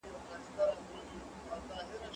ته ولي ليک لولې،